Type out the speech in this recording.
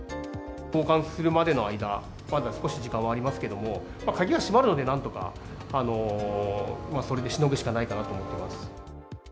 交換するまでの間、まだ少し時間はありますけれども、鍵は閉まるので、なんとかそれでしのぐしかないかなと思ってます。